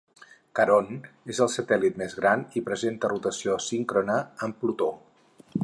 Caront és el satèl·lit més gran i presenta rotació síncrona amb Plutó.